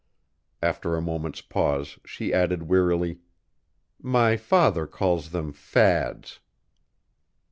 After a moment's pause she added, wearily, "My father calls them fads."